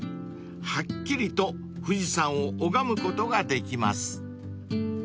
［はっきりと富士山を拝むことができます］